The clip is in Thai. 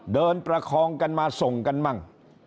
ประคองกันมาส่งกันมั่ง